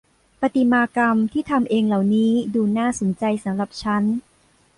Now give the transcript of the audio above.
ประติมากรรมที่ทำเองเหล่านี้ดูน่าสนใจสำหรับฉัน